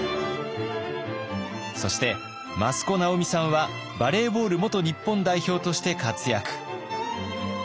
そして益子直美さんはバレーボール元日本代表として活躍。